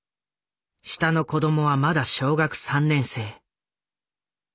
下の子供はまだ小学３年生。